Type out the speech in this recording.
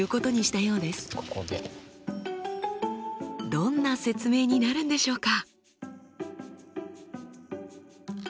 どんな説明になるんでしょうか。